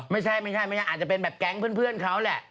ไม่ใช่ไม่ใช่อาจจะเป็นแบบแก๊งเพื่อนเขาแหละ